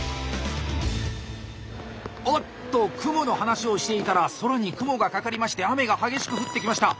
おっとクモの話をしていたら空に雲がかかりまして雨が激しく降ってきました。